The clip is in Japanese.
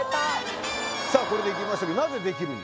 さあこれでいきましたけどなぜできるに？